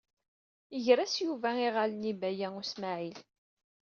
Iger-as Yuba iɣallen i Baya U Smaɛil.